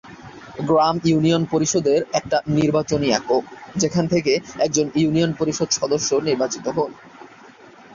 গ্রাম union পরিষদের একটি নির্বাচনী একক, যেখান থেকে একজন ইউনিয়ন পরিষদ সদস্য নির্বাচিত হন।